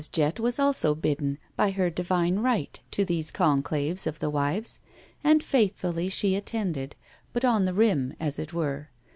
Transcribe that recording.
Jett was also bidden, by her divine right, to those conclaves of the wives, and faithfully she attended, but on the rim, as it were.